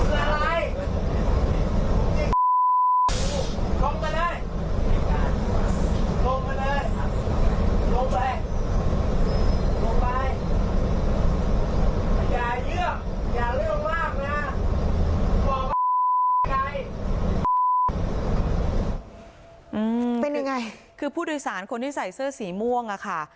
ลงไปลงไปอย่าเลือกอย่าเลือกมากนะบอกว่าเป็นยังไงคือผู้โดยสารคนที่ใส่เสื้อสีม่วงอ่ะค่ะ